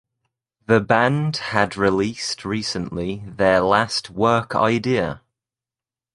The band had released recently their last work Idea.